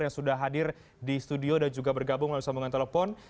yang sudah hadir di studio dan juga bergabung melalui sambungan telepon